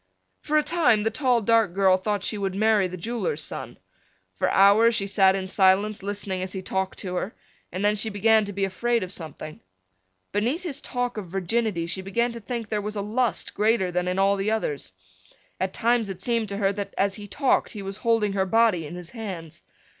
For a time the tall dark girl thought she would marry the jeweler's son. For hours she sat in silence listening as he talked to her and then she began to be afraid of something. Beneath his talk of virginity she began to think there was a lust greater than in all the others. At times it seemed to her that as he talked he was holding her body in his hands.